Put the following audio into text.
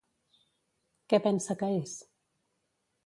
Què pensa que és?